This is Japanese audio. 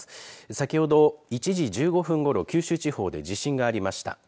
先ほど１時１５分ごろ九州地方で地震がありました。